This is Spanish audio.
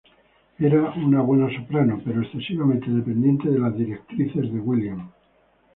Era una buena soprano, pero excesivamente dependiente de las directrices de William.